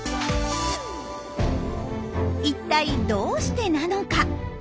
一体どうしてなのか？